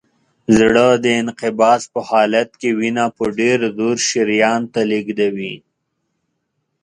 زړه د انقباض په حالت کې وینه په ډېر زور شریان ته لیږدوي.